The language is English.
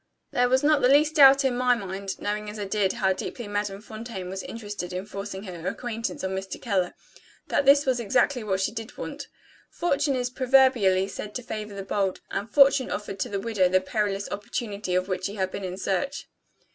There was not the least doubt in my mind (knowing as I did, how deeply Madame Fontaine was interested in forcing her acquaintance on Mr. Keller) that this was exactly what she did want. Fortune is proverbially said to favor the bold; and Fortune offered to the widow the perilous opportunity of which she had been in search.